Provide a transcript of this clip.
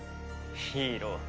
ヒーロー。